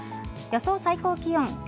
予想最高気温。